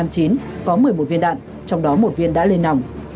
có một mươi một viên đạn trong đó một viên đã lên nòng